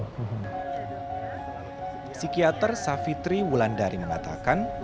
psikiater savitri wulandari mengatakan